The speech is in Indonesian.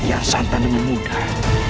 yang santan dan mudah